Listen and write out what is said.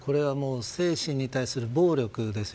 精神に対する暴力です。